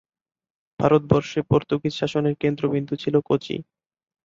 ভারতবর্ষে পর্তুগীজ শাসনের কেন্দ্র বিন্দু ছিল কোচি।